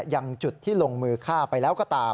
ยังจุดที่ลงมือฆ่าไปแล้วก็ตาม